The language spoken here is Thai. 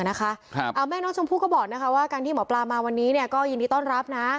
เอาแม่น้องชมพู่ก็บอกว่าการที่หมอปลามาวันนี้ก็ยินดีต้อนรับนะ